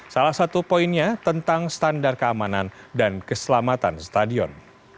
salah satu poinnya tentang standar keamanan dan keselamatan stadion